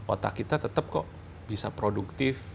otak kita tetap kok bisa produktif